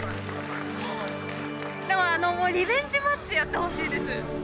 でもあのリベンジマッチやってほしいです。